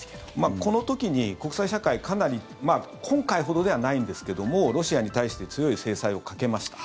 この時に国際社会は今回ほどではないんですがロシアに対して強い制裁をかけました。